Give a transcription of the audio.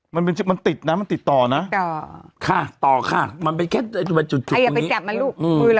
มันเป็นมันติดน่ะมันติดต่อน่ะต่อค่ะต่อค่ะมันไม่แค่จุดจุดนี้ไอ้อย่าไปจับมันลูกอืม